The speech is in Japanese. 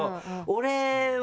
俺は。